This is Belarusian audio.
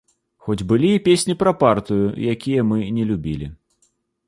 Хоць былі і песні пра партыю, якія мы не любілі.